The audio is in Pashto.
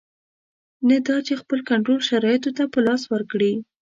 نه دا چې خپل کنټرول شرایطو ته په لاس ورکړي.